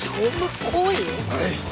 はい。